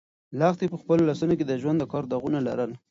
لښتې په خپلو لاسو کې د ژوند د کار داغونه لرل.